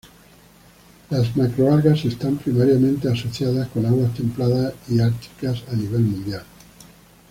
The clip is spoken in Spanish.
Las macroalgas están primariamente asociadas con aguas templadas y árticas a nivel mundial.